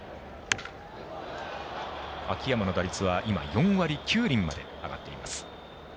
秋山の打率は今、４割９厘まで上がっています。